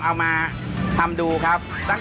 ปู่พญานาคี่อยู่ในกล่อง